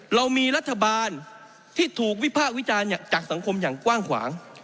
เรามีรัฐบาลที่ถูกวิภาควิจารณ์จากสังคมอย่างกว้างขวาง